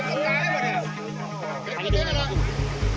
พวกมันกำลังพูดได้